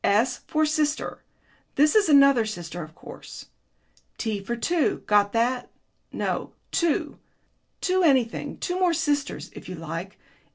"S for sister this is another sister, of course. T for two. Got that? No, two. Two anything two more sisters, if you like.